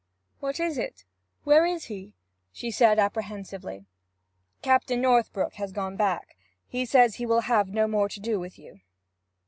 'What is it? where is he?' she said apprehensively. 'Captain Northbrook has gone back. He says he will have no more to do with you.'